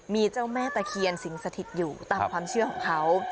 มีเจ้าแม่ตะเคียนสิงสถิตอยู่ตามความเชื่อของเขา